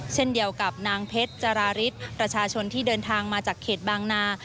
เช่นเดียวกับนางเพชรจราริสประชาชนที่เดินทางมาจากเขตบางนา